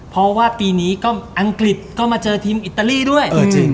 เพราะว่าปีนี้ก็อังกฤษก็มาเจอทีมอิตาลีด้วย